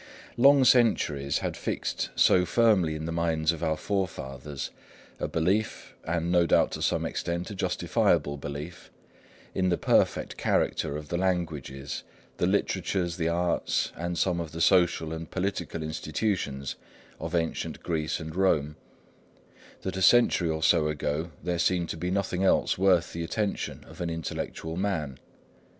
Long centuries had fixed so firmly in the minds of our forefathers a belief, and no doubt to some extent a justifiable belief, in the perfect character of the languages, the literatures, the arts, and some of the social and political institutions of ancient Greece and Rome, that a century or so ago there seemed to be nothing else worth the attention of an intellectual man.